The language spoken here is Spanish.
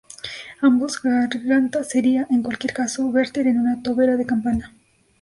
Ambos gargantas sería, en cualquier caso, verter en una tobera de campana.